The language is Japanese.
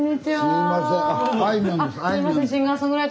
すいません。